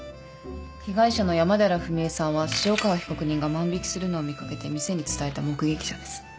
被害者の山寺史絵さんは潮川被告人が万引するのを見掛けて店に伝えた目撃者です。